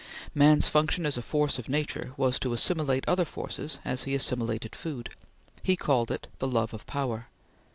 Man's function as a force of nature was to assimilate other forces as he assimilated food. He called it the love of power.